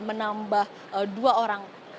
menambah dua orang